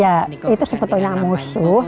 ya itu sebetulnya musuh